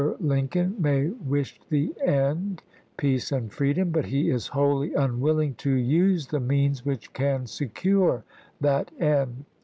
Lincoln may wish the end — peace and freedom — but he is wholly unwilling to use the means which can secure that end.